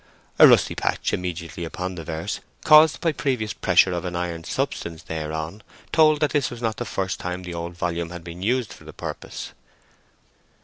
A rusty patch immediately upon the verse, caused by previous pressure of an iron substance thereon, told that this was not the first time the old volume had been used for the purpose.